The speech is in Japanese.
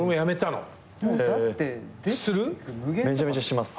めちゃめちゃします。